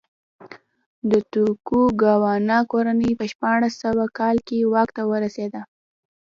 د توکوګاوا کورنۍ په شپاړس سوه کال کې واک ته ورسېده.